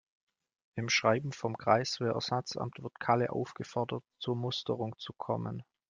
Im Schreiben vom Kreiswehrersatzamt wird Kalle aufgefordert, zur Musterung zu kommen.